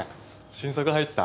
新作入った？